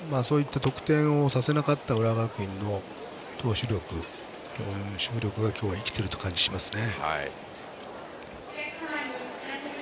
そういった得点をさせなかった浦和学院の投手力、守備力が今日は生きていると感じますね。